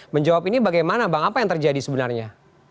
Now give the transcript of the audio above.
menjawab ini bagaimana bang apa yang terjadi sebenarnya